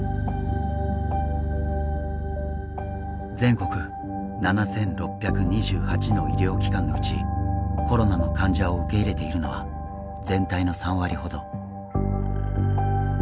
全国７，６２８の医療機関のうちコロナの患者を受け入れているのは全体の３割ほど。